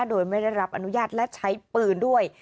โดยไม่ได้รับอนุญาตและใช้ปืนด้วย